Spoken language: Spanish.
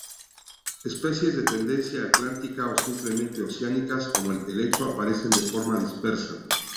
Especies de tendencia atlántica o simplemente oceánicas, como el helecho, aparecen de forma dispersa.